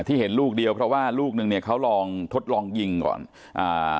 เห็นลูกเดียวเพราะว่าลูกนึงเนี่ยเขาลองทดลองยิงก่อนอ่า